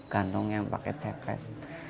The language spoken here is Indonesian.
ganong yang pakai cepet